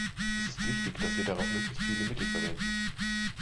Es ist wichtig, dass wir darauf möglichst viele Mittel verwenden.